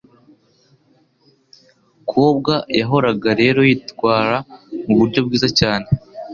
ukobwa Yahoraga rero yitwara mu buryo bwiza cyane